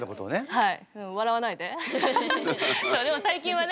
はい！